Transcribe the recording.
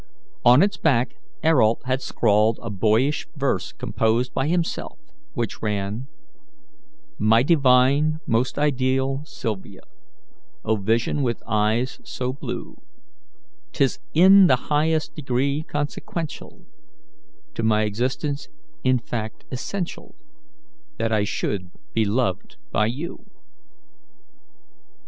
On its back Ayrault had scrawled a boyish verse composed by himself, which ran: "My divine, most ideal Sylvia, O vision, with eyes so blue, 'Tis in the highest degree consequential, To my existence in fact essential, That I should be loved by you."